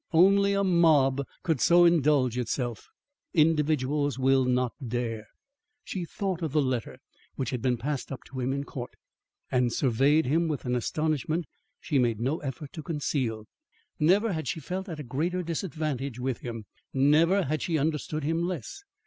Only a mob could so indulge itself; individuals will not dare." She thought of the letter which had been passed up to him in court, and surveyed him with an astonishment she made no effort to conceal. Never had she felt at a greater disadvantage with him. Never had she understood him less.